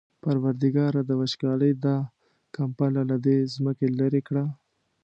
پروردګاره د وچکالۍ دا کمپله له دې ځمکې لېرې کړه.